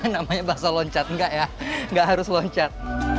namanya bakso loncat enggak ya enggak harus loncat